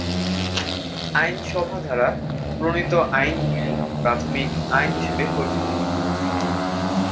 আইনসভা দ্বারা প্রণীত আইনগুলি প্রাথমিক আইন হিসাবে পরিচিত।